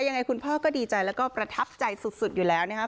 ยังไงคุณพ่อก็ดีใจแล้วก็ประทับใจสุดอยู่แล้วนะครับ